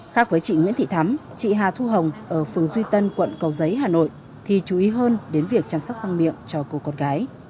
khác với chị nguyễn thị thắm chị hà thu hồng ở phường duy tân quận cầu giấy hà nội thì chú ý hơn đến việc chăm sóc răng miệng cho cô con gái